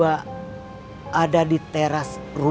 aku nanti tunggu